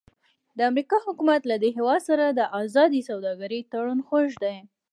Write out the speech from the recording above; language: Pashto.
د امریکا حکومت له دې هېواد سره د ازادې سوداګرۍ تړون خوښ دی.